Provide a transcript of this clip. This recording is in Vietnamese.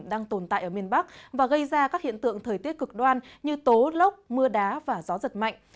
đang tồn tại ở miền bắc và gây ra các hiện tượng thời tiết cực đoan như tố lốc mưa đá và gió giật mạnh